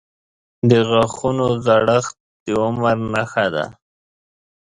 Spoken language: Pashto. • د غاښونو زړښت د عمر نښه ده.